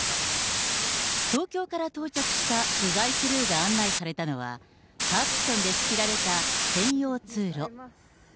東京から到着した取材クルーが案内されたのは、パーティションで仕切られた専用通路。